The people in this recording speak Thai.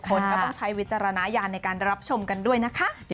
คนก็ต้องใช้วิจารณญาณในการรับชมกันด้วยนะคะ